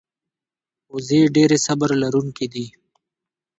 وزې ډېرې صبر لرونکې دي